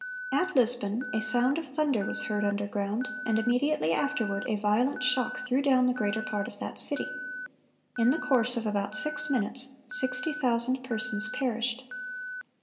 (480) At Lisbon "a sound of thunder was heard underground, and immediately afterward a violent shock threw down the greater part of that city. In the course of about six minutes, sixty thousand persons perished.